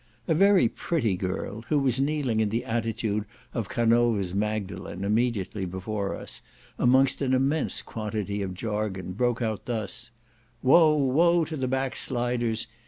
A very pretty girl, who was kneeling in the attitude of Canova's Magdalene immediately before us, amongst an immense quantity of jargon, broke out thus: "Woe! woe to the backsliders!